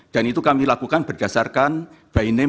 dan itu kami lakukan berdasarkan by name